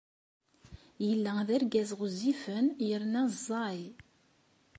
Yella d argaz ɣezzifen yerna ẓẓay.